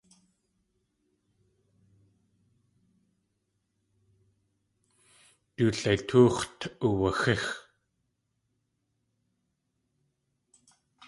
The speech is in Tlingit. Du leitóox̲t uwaxíx.